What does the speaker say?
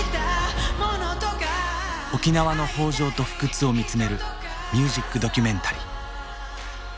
沖縄の豊饒と不屈を見つめるミュージックドキュメンタリー。